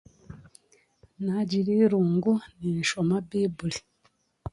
Naagira eirungu, ninshoma baiburi.